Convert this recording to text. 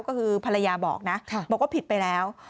ก็คือภรรยาบอกนะบอกว่าผิดไปแล้ว